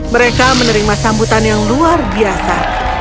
mereka menerima sambutan yang luar biasa